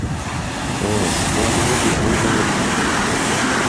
О, кооз го деп ойлогом.